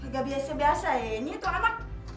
gak biasa biasa ini tuh apa